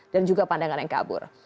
juga pandangan yang kabur